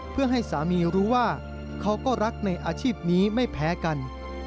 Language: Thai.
เพื่อให้สามีรู้ว่าเขาก็รักในอาชีพนี้ไม่แพ้กัน